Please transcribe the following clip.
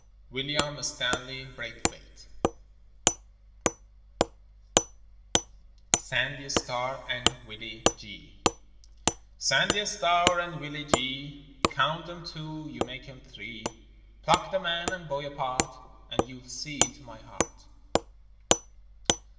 William Stanley Braithwaite SANDY STAR AND WILLIE GEE Sandy Star and Willie Gee, Count 'em two, you make 'em three: Pluck the man and boy apart And you'll see into my heart.